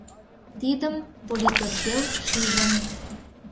Тидым политотдел шижын.